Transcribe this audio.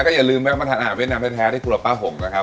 อย่าลืมแวะมาทานอาหารเวียดนามแท้ที่ธุรป้าหงนะครับ